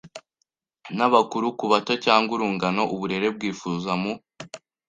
n abakuru ku bato cyangwa urungano Uburere bwifuzwa mu